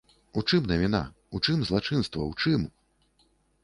У чым навіна, у чым злачынства, у чым?